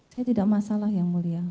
saya tidak masalah yang mulia